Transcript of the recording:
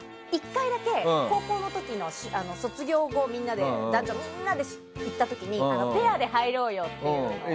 １回だけ高校の卒業後にみんなで行った時にペアで入ろうよっていうのは。